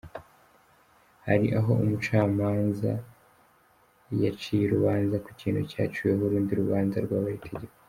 Hari aho umucamaza yaciye urubanza ku kintu cyaciweho urundi rubanza rwabaye itegeko;.